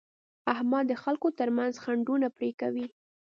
احمد د خلکو ترمنځ خنډونه پرې کوي.